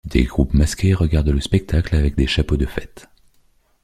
Des groupes masqués regardent le spectacle avec des chapeaux de fête.